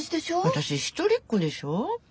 私一人っ子でしょ？